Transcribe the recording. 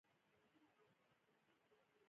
ایا زه باید پښې وغځوم؟